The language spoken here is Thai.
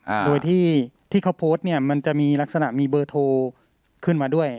อ่าโดยที่ที่เขาโพสต์เนี้ยมันจะมีลักษณะมีเบอร์โทรขึ้นมาด้วย